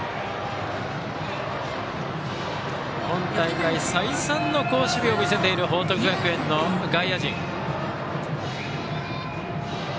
今大会、再三の好守備を見せている報徳学園の外野陣。